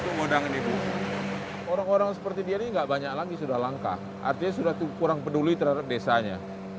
itu modang ini bu orang orang seperti dia ini tidak banyak lagi sudah langka artinya sudah kurang peduli terhadap desanya